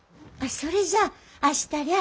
それじゃあ明日りゃあ